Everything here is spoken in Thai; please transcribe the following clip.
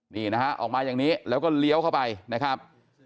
นี่นะฮะออกมาอย่างนี้แล้วก็เลี้ยวเข้าไปนะครับ